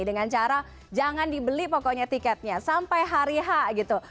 dengan cara jangan dibeli pokoknya tiketnya sampai hari h gitu